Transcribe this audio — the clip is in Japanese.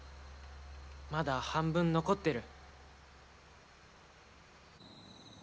まだ半分残ってる。